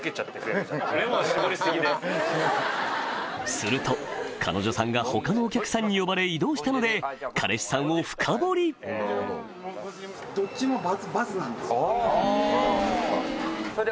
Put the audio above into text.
すると彼女さんが他のお客さんに呼ばれ移動したので彼氏さんを深掘りそれで。